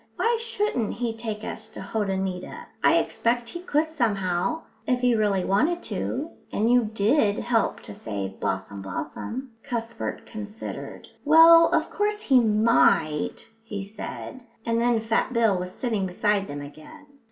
"Why shouldn't he take us to Hotoneeta? I expect he could somehow, if he really wanted to; and you did help to save Blossom blossom." Cuthbert considered. "Well, of course he might," he said, and then Fat Bill was sitting beside them again.